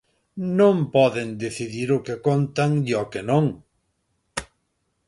Non poden decidir o que contan e o que non.